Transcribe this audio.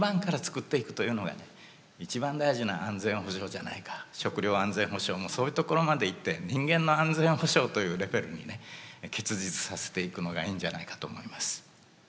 子ども食堂に始まる食料安全保障もそういうところまで行って人間の安全保障というレベルにね結実させていくのがいいんじゃないかと思います。